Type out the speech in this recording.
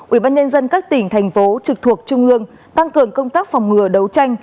ủy ban nhân dân các tỉnh thành phố trực thuộc trung ương tăng cường công tác phòng ngừa đấu tranh